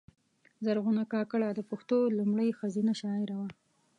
زرغونه کاکړه د پښتو لومړۍ ښځینه شاعره وه